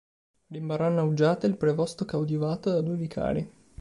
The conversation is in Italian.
Rimarranno a Uggiate il prevosto coadiuvato da due vicari.